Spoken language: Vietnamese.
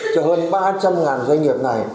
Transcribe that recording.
cho hơn ba trăm linh doanh nghiệp này